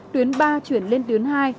tuyến ba chuyển lên tuyến hai